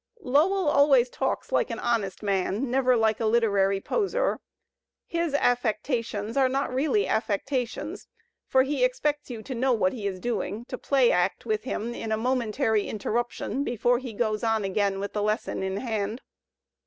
Lowell always talks like an honest man, never like a literary poseur. His a£Fectations are not really affec Digitized by Google \ LOWELL 207 tations, for he expects you to know what he is doing, to play act with him in a momentary interruption before he goes on again with the lesson in hand.